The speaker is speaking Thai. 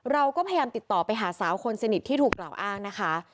เราก็พยายามติดต่อไปหาสาวคนสนิทที่ถูกกล่าวอ้างนะคะ